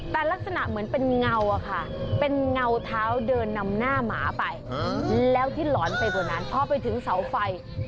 แต่ลักษณะเหมือนเป็นเงาอะค่ะเป็นเงาเท้าเดินนำหน้าหมาไปแล้วที่หลอนไปกว่านั้นพอไปถึงเสาไฟ